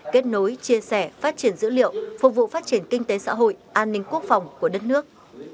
kết nối chia sẻ phát triển dữ liệu phục vụ phát triển kinh tế xã hội an ninh quốc phòng của đất nước